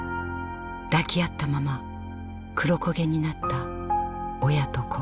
抱き合ったまま黒焦げになった親と子。